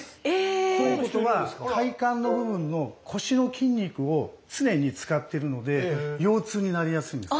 ということは体幹の部分の腰の筋肉を常に使っているので腰痛になりやすいんです。